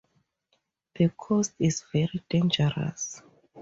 The coast is very dangerous.